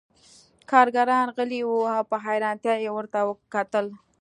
کارګران غلي وو او په حیرانتیا یې ورته کتل